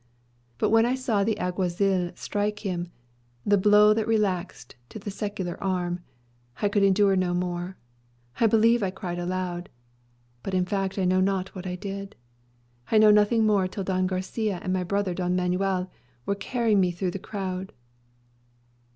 But when I saw the Alguazil strike him the blow that relaxed to the secular arm I could endure no more. I believe I cried aloud. But in fact I know not what I did. I know nothing more till Don Garçia and my brother Don Manuel were carrying me through the crowd."